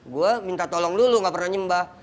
gue minta tolong dulu nggak pernah nyembah